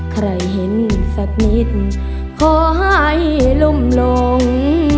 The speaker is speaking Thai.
ใครเห็นสักนิดขอให้ลุ่มลง